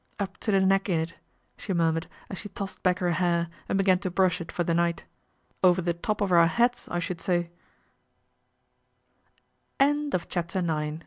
" Up to the neck in it," she murmured as sh tossed back her hair and began to brush it for th night, " over the top of our heads, I shoul